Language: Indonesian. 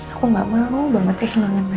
aku gak mau banget kekilangan nailah